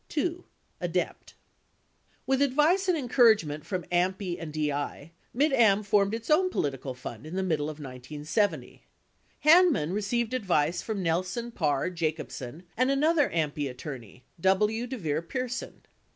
2. ADEPT With advice and encouragement from AMPI and DI, Mid Am formed its own political fund in the middle of 1970. Hanman re ceived advice from Nelson, Parr, Jacobsen, and another AMPI at torney, W. DeVier Pierson.